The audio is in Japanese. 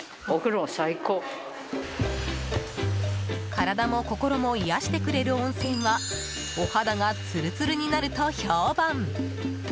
体も心も癒やしてくれる温泉はお肌がつるつるになると評判。